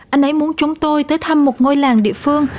anh ấy muốn chúng tôi tới thăm một ngôi làng địa phương